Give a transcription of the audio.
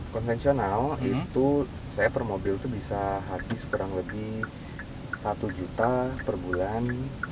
konvensional itu saya per mobil itu bisa habis kurang lebih satu juta per bulan